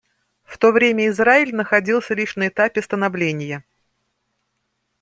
В то время Израиль находился лишь на этапе становления.